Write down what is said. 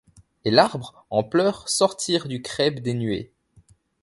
Et l'arbre en pleurs sortir du crêpe des nuées